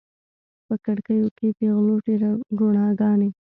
په کړکیو کې پیغلوټې روڼاګانې